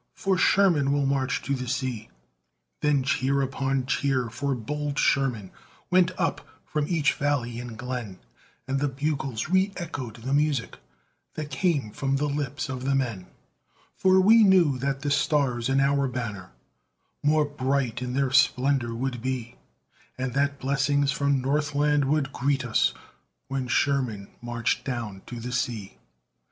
For Sherman will march to the sea." Then cheer upon cheer for bold Sherman Went up from each valley and glen, And the bugles reëchoed the music That came from the lips of the men; For we knew that the stars in our banner More bright in their splendor would be, And that blessings from Northland would greet us When Sherman marched down to the sea.